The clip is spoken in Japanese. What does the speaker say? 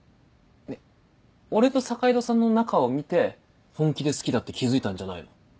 俺と坂井戸さんの仲を見て本気で好きだって気付いたんじゃないの？